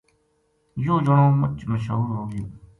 یوہ جنو مچ مشہور ہوگیو